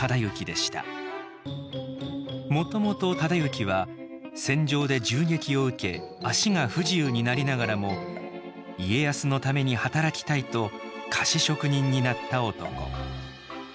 もともと忠行は戦場で銃撃を受け脚が不自由になりながらも家康のために働きたいと菓子職人になった男。